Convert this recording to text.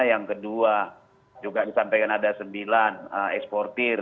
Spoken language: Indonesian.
yang kedua juga disampaikan ada sembilan eksportir